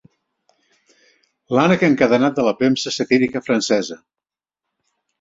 L'ànec encadenat de la premsa satírica francesa.